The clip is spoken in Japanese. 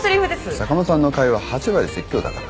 坂間さんの会話８割説教だから。